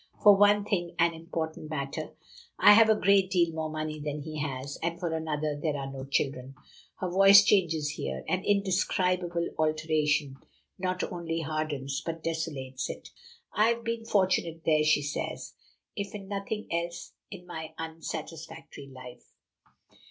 For one thing, an important matter, I have a great deal more money than he has, and, for another, there are no children." Her voice changes here; an indescribable alteration not only hardens, but desolates it. "I have been fortunate there," she says, "if in nothing else in my unsatisfactory life.